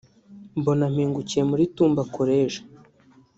mbona mpingukiye muri Tumba College